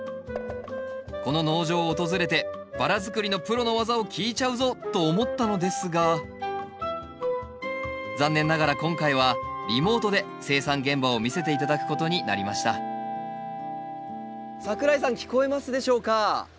この農場を訪れてバラづくりのプロの技を聞いちゃうぞと思ったのですが残念ながら今回はリモートで生産現場を見せて頂くことになりました櫻井さん聞こえますでしょうか？